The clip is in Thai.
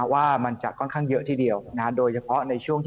ว่ามันจะค่อนข้างเยอะทีเดียวโดยเฉพาะในช่วงที่